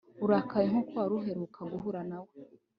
urakaye nkuko wari uheruka guhura nawe